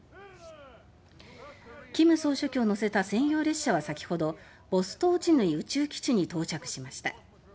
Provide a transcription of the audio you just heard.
金総書記を乗せた専用列車は先ほどボストーチヌイ宇宙基地に到着しました。